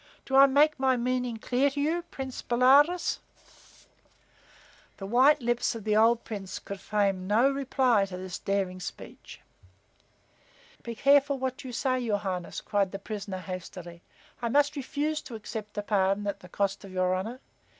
Do I make my meaning clear to you, Prince Bolaroz?" The white lips of the old Prince could frame no reply to this daring speech. "Be careful whet you say, your Highness," cried the prisoner, hastily. "I must refuse to accept a pardon at the cost of your honor.